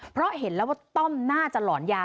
เพราะเห็นแล้วว่าต้อมน่าจะหลอนยา